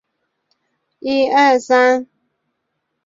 广东揭阳县榕城东门人。